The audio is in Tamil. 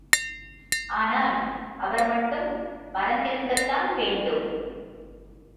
ஆனால் அவர் மட்டும் மறந்திருக்கத்தான் வேண்டும்.